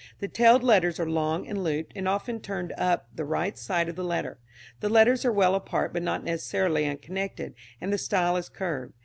The tailed letters are long and looped, and often turned up the right side of the letter. The letters are well apart but not necessarily unconnected, and the style is curved.